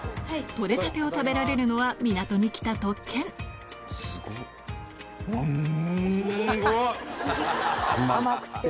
取れたてを食べられるのは港に来た特権！甘くて！